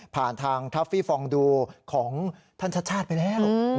ผ่านทางทัฟฟี่ฟองดูของท่านชัดชาติไปแล้ว